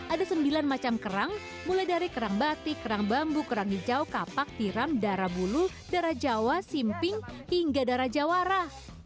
ada sembilan macam kerang mulai dari kerang batik kerang bambu kerang hijau kapak tiram darah bulu darah jawa simping hingga darah jawara